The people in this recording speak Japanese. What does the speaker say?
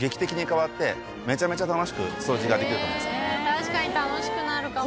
確かに楽しくなるかも。